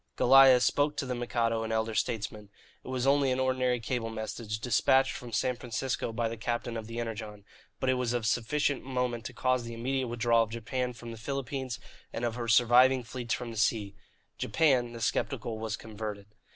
Goliah spoke to the Mikado and the Elder Statesmen. It was only an ordinary cable message, despatched from San Francisco by the captain of the Energon, but it was of sufficient moment to cause the immediate withdrawal of Japan from the Philippines and of her surviving fleets from the sea. Japan the sceptical was converted.